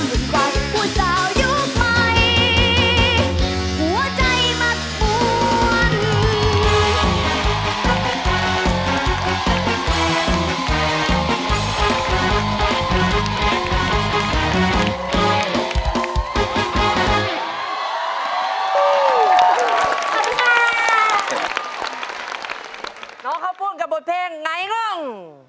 เพราะสังความเหมือนกับผู้เศร้ายุคใหม่